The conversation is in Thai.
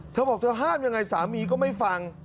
เธอบอกเธอห้ามยังไงสามีก็ไม่ฟัง